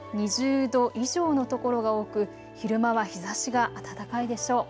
２０度以上の所が多く、昼間は日ざしが暖かいでしょう。